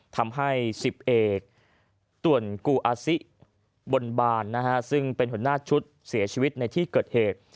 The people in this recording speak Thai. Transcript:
ทำให้๑๐เอกตวนกูอาซิบนบานซึ่งเป็นหัวหน้าชุดเสียชีวิตในที่เกิดเหตุ